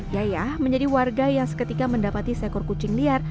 yayah menjadi warga yang seketika mendapati seekor kucing liar